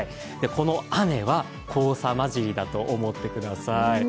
この雨は黄砂交じりだと思ってください。